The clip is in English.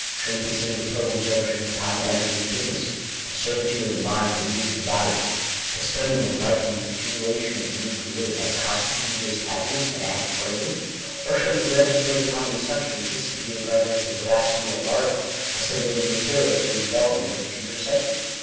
Shall we consider the total absorption of time and energy in business — the servitude of the mind to the needs of the body — the spending of life in the accumulation of the means to live, as constituting " greatest happiness," and act accordingly ? Or shall we legislate upon the assumption that this is to be re garded as the voracity of a larva assimilating material for the development of the future psyche